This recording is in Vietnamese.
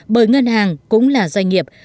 bởi ngân hàng cũng là doanh nghiệp